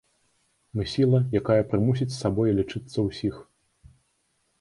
Мы сіла, якая прымусіць з сабой лічыцца ўсіх.